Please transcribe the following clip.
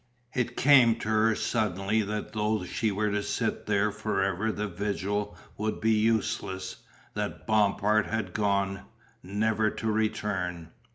It came to her suddenly that though she were to sit there forever the vigil would be useless, that Bompard had gone never to return.